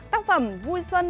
tác phẩm vui xuân